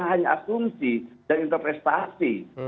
hanya asumsi dan interpretasi